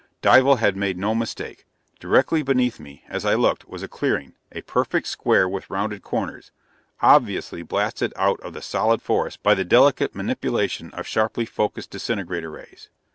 Dival had made no mistake. Directly beneath me, as I looked, was a clearing, a perfect square with rounded corners, obviously blasted out of the solid forest by the delicate manipulation of sharply focused disintegrator rays.